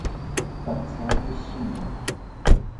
Pathaki shima